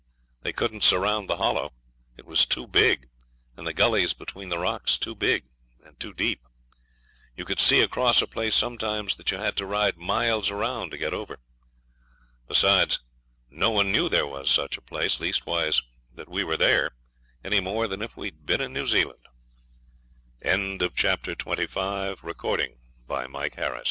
They couldn't surround the Hollow. It was too big, and the gullies between the rocks too deep. You could see across a place sometimes that you had to ride miles round to get over. Besides, no one knew there was such a place, leastways that we were there, any more than if we had been in New Zealand. Chapter 26 After the Ballabri affair we had to keep close for weeks and